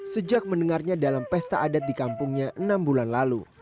sejak mendengarnya dalam pesta adat di kampungnya enam bulan lalu